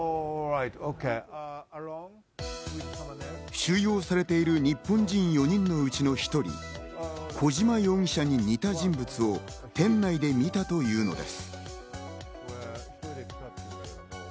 収容されている日本人４人のうちの１人、小島容疑者に似た人物を店内で見たというのです。